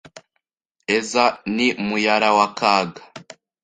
eza ni muyara wa Kaga